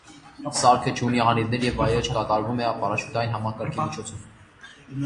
Սարքը չունի անիվներ, և վայրէջքը կատարվում է պարաշյուտային համակարգի միջոցով։